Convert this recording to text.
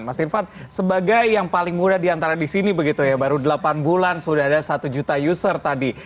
mas irvan sebagai yang paling muda diantara di sini begitu ya baru delapan bulan sudah ada satu juta user tadi